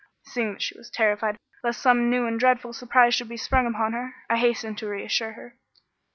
Seeing that she was terrified lest some new and dreadful surprise should be sprung upon her, I hastened to reassure her.